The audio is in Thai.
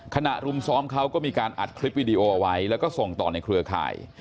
รุมซ้อมเขาก็มีการอัดคลิปวิดีโอเอาไว้แล้วก็ส่งต่อในเครือข่าย